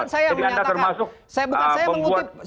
kan saya menyebutkan